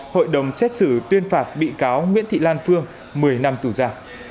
hội đồng xét xử tuyên phạt bị cáo nguyễn thị lan phương một mươi năm tù ra